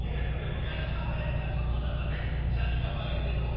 昔の俺やったらちょっと斜に構えてとか。